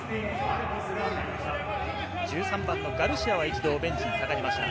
１３番のガルシアは一度ベンチに下がりました。